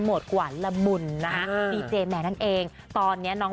หมดกว่าละมุนนะฮะดีเจแมนนั่นเองตอนเนี้ยน้อง